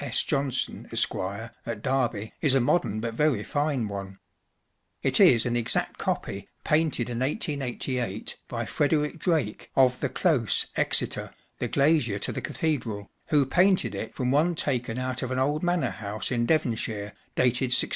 S. Johnson, Esq,, at Derby, is a modern but very fine one ; it is an exact copy, painted in 1888, by Frederick Drake, of the Close, Exeter, the glazier to the Cathedral, who painted it from one taken out of an old manor house in Devonshire, dated 1660.